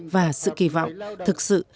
và sự kỳ vọng thực sự